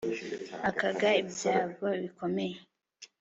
akaga ibyago bikomeye